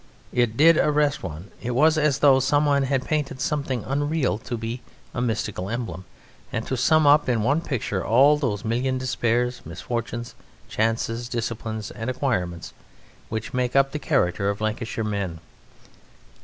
It did arrest one; it was as though someone had painted something unreal, to be a mystical emblem, and to sum up in one picture all those million despairs, misfortunes, chances, disciplines, and acquirements which make up the character of Lancashire men.